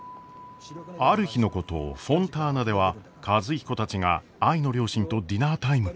ある日のことフォンターナでは和彦たちが愛の両親とディナータイム。